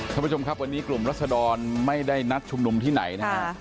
ท่านผู้ชมครับวันนี้กลุ่มรัศดรไม่ได้นัดชุมนุมที่ไหนนะฮะ